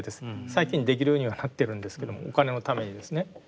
最近できるようにはなってるんですけどもお金のためにですね。